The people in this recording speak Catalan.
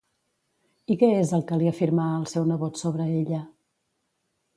I què és el que li afirmà al seu nebot sobre ella?